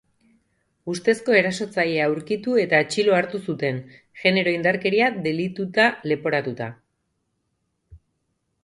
Ustezko erasotzailea aurkitu eta atxilo hartu zuten, genero indarkeria delituta leporatuta.